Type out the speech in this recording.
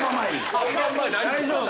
大丈夫？